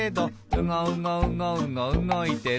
「うごうごうごうごうごいてる」